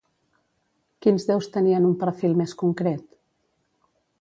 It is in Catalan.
Quins déus tenien un perfil més concret?